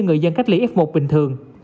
người dân cách ly f một bình thường